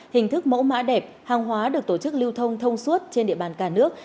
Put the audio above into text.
hình thức mẫu mã đẹp hàng hóa được tổ chức lưu thông thông suốt trên địa bàn cả nước